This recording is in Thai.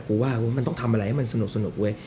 ว่ามันต้องทำอะไรให้มันสนุกเว้ย